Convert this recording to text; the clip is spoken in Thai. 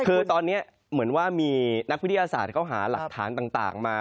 คือตอนนี้เหมือนว่ามีนักวิทยาศาสตร์เขาหาหลักฐานต่างมา